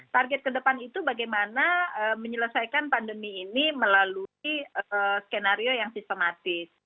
target ke depan itu bagaimana menyelesaikan pandemi ini melalui skenario yang sistematis